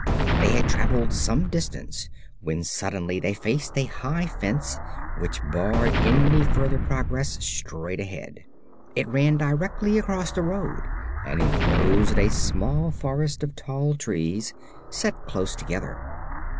They had traveled some distance when suddenly they faced a high fence which barred any further progress straight ahead. It ran directly across the road and enclosed a small forest of tall trees, set close together.